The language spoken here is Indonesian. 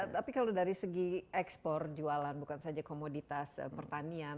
tapi kalau dari segi ekspor jualan bukan saja komoditas pertanian